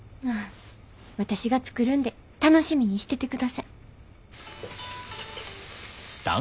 私が作るんで楽しみにしててください。